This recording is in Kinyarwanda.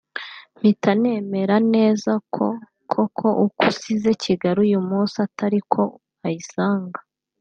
mpita nemera neza ko koko uko usize Kigali uyu munsi atari ko ayisanga